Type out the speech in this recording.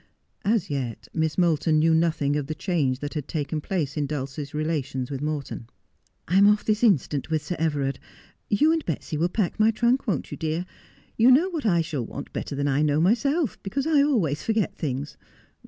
As yet, Miss Moulton knew nothing ' That would be too Horrible,? C01 of the change that had taken place in Dulcie's relations with Morton. ' I am off this instant with Sir Everard. You and Betsy will pack my trunk, won't you, dear 1 You know what I shall want better than I know myself, because I always forget things.